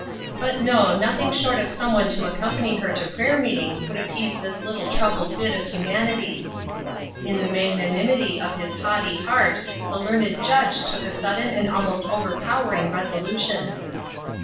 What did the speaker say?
But no, nothing short of some one to accompany her to prayer meeting would appease this little troubled bit of humanity. In the magnanimity of his haughty heart the learned judge took a sudden and almost overpowering resolution.